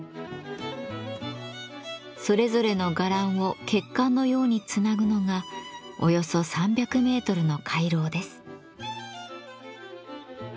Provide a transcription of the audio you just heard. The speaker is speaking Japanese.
それぞれの伽藍を血管のようにつなぐのがおよそ３００メートルの回廊です。